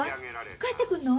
帰ってくんの？